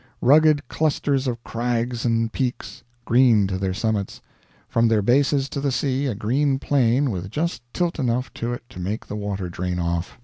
Rugged clusters of crags and peaks, green to their summits; from their bases to the sea a green plain with just tilt enough to it to make the water drain off.